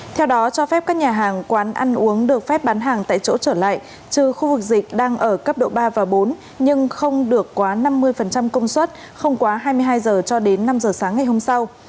theo đó cho phép các nhà hàng quán ăn uống được phép bán hàng tại chỗ trở lại trừ khu vực dịch đang ở cấp độ ba và bốn nhưng không được quá năm mươi công suất không quá hai mươi hai h cho đến năm h sáng ngày hôm sau